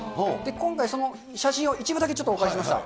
今回、その写真を一部だけちょっとお借りしました。